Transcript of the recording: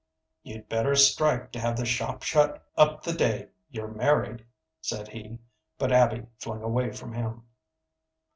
"You'd better strike to have the shop shut up the day you're married," said he; but Abby flung away from him.